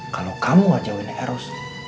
kalo kamu gak jauhin eros